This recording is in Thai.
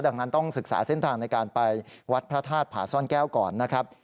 ดังนั้นต้องศึกษาเส้นทางในการไปวัดพระธาตุผาซ่อนแก้วก่อนนะครับ